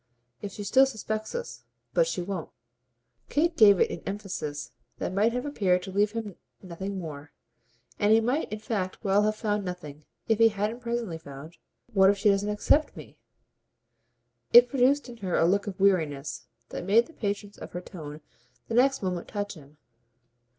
"If she still suspects us. But she won't." Kate gave it an emphasis that might have appeared to leave him nothing more; and he might in fact well have found nothing if he hadn't presently found: "But what if she doesn't accept me?" It produced in her a look of weariness that made the patience of her tone the next moment touch him.